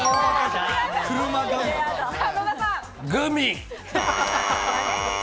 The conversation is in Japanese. グミ。